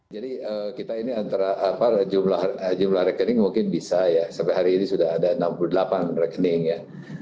jadi kita ini antara jumlah rekening mungkin bisa ya sampai hari ini sudah ada enam puluh delapan rekening ya